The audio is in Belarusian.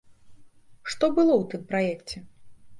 Што было ў тым праекце?